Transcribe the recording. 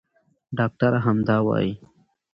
ډاکټره همدا وايي.